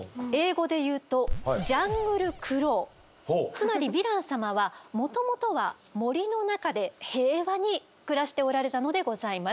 つまりヴィラン様はもともとは森の中で平和に暮らしておられたのでございます。